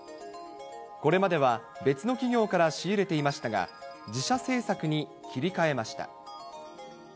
これまでは、別の企業から仕入れていましたが、自社製作に切り替えました。